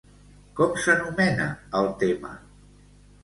Com s'anomena el tema?